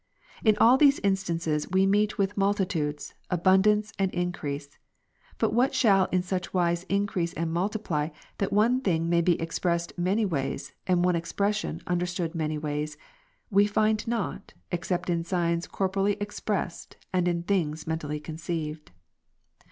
In all these instances we meet with multitudes, abundance, and increase ; but what shall in such wise increase and multijjly that one thing may be ex pressed many ways, and one expression understood many ways ; we find not, except in signs corporeally expressed, and in things mentally conceived.